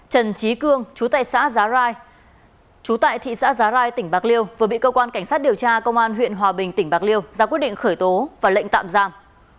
trần trí cương chú tại thị xã giá rai tỉnh bạc liêu vừa bị cơ quan cảnh sát điều tra công an huyện hòa bình tỉnh bạc liêu ra quyết định khởi tố và lệnh tạm giam